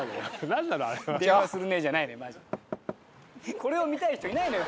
これを見たい人いないのよ